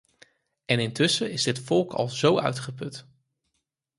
En intussen is dit volk al zo uitgeput.